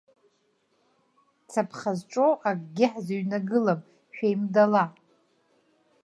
Цаԥха зҿоу акгьы ҳзыҩнагылам, шәеимдала.